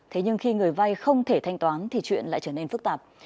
thế nhưng khi người vay không thể thanh toán thì chuyện lại trở nên phức tạp